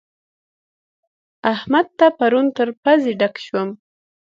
احمد ته پرون تر پزې ډک شوم.